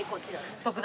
特大。